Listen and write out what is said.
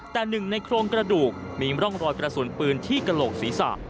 แต่หนึ่งในโครงกระดูกมีร่องรอยกระสุนปืนที่กระโหลกศีรษะ